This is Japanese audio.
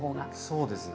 そうですよね。